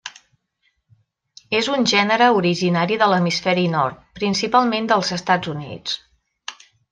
És un gènere originari de l'hemisferi Nord, principalment dels Estats Units.